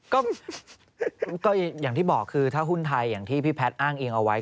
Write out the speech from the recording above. ก็อย่างที่บอกคือถ้าหุ้นไทยอย่างที่พี่แพทย์อ้างอิงเอาไว้